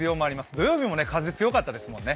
土曜日も風強かったですもんね。